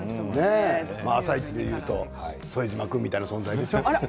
「あさイチ」でいうと副島君みたいな存在でしょ。